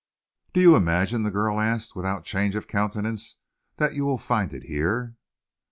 "Do you imagine," the girl asked, without change of countenance, "that you will find it here?"